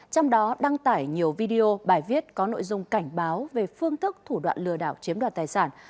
trong đó đăng tải nhiều video bài viết có nội dung cảnh báo về phương thức thủ đoạn lừa đảo chiếm đoạt tài sản